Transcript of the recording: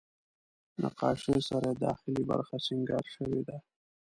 نقاشیو سره یې داخلي برخه سینګار شوې ده.